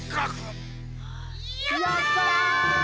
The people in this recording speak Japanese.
やった！